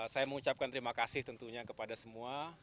saya mengucapkan terima kasih tentunya kepada semua